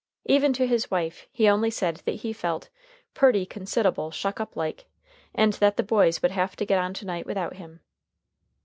Even to his wife he only said that he felt purty consid'able shuck up like, and that the boys would have to get on to night without him.